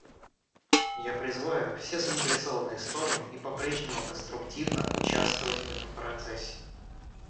Я призываю все заинтересованные стороны и по-прежнему конструктивно участвовать в этом процессе.